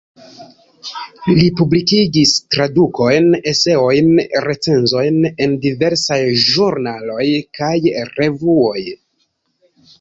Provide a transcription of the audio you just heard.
Li publikigis tradukojn, eseojn, recenzojn en diversaj ĵurnaloj kaj revuoj.